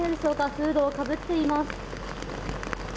フードをかぶっています。